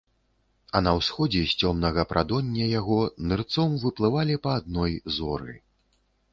А на ўсходзе з цёмнага прадоння яго нырцом выплывалі па адной зоры.